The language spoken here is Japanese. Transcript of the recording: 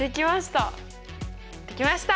できました。